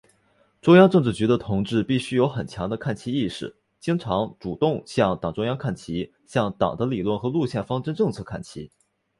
中央政治局的同志必须有很强的看齐意识，经常、主动向党中央看齐，向党的理论和路线方针政策看齐。